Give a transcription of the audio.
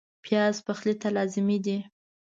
پیاز پخلي ته لازمي دی